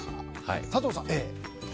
佐藤さん、Ａ。